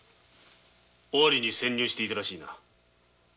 尾張に潜入していたらしいな？